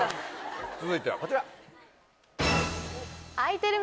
続いてはこちら。